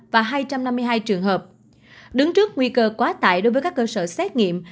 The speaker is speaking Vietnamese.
chín trăm chín mươi năm và hai trăm năm mươi hai trường hợp đứng trước nguy cơ quá tải đối với các cơ sở xét nghiệm